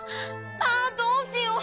あどうしよう！